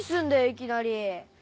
いきなり。